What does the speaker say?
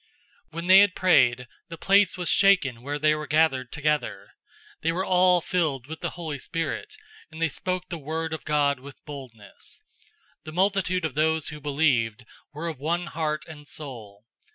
004:031 When they had prayed, the place was shaken where they were gathered together. They were all filled with the Holy Spirit, and they spoke the word of God with boldness. 004:032 The multitude of those who believed were of one heart and soul.